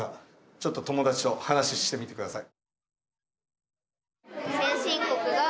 ちょっと友達と話してみて下さい。